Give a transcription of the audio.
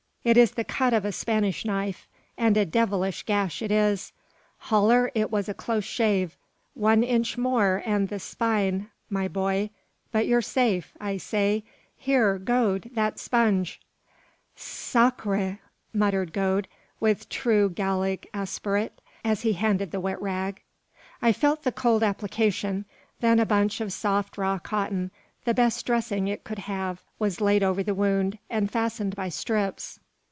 It is the cut of a Spanish knife, and a devilish gash it is. Haller, it was a close shave. One inch more, and the spine, my boy! but you're safe, I say. Here, Gode! that sponge!" "Sacre!" muttered Gode, with true Gallic aspirate, as he handed the wet rag. I felt the cold application. Then a bunch of soft raw cotton, the best dressing it could have, was laid over the wound, and fastened by strips.